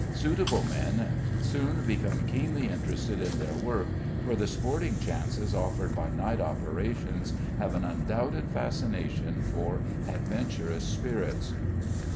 Suitable men soon become keenly interested in their work, for the sporting chances offered by night operations have an undoubted fascination for adventurous spirits.